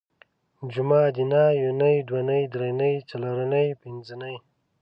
جومه ادینه یونۍ دونۍ درېنۍ څلورنۍ پنځنۍ